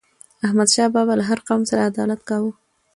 احمد شاه بابا له هر قوم سره عدالت کاوه.